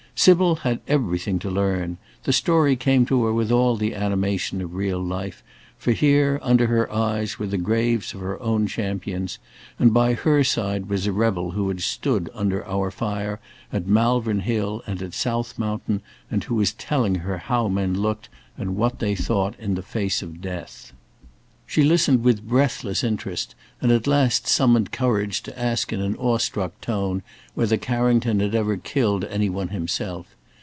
Sybil had everything to learn; the story came to her with all the animation of real life, for here under her eyes were the graves of her own champions, and by her side was a rebel who had stood under our fire at Malvern Hill and at South Mountain, and who was telling her how men looked and what they thought in face of death. She listened with breathless interest, and at last summoned courage to ask in an awestruck tone whether Carrington had ever killed any one himself.